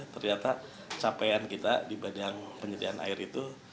ternyata capaian kita di bidang penyediaan air itu